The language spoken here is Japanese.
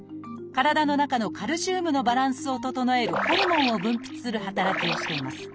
体の中のカルシウムのバランスを整えるホルモンを分泌する働きをしています。